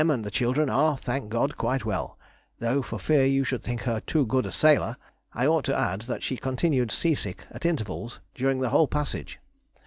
and the children are, thank God, quite well; though, for fear you should think her too good a sailor, I ought to add that she continued sea sick, at intervals, during the whole passage.